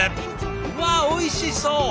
うわおいしそう！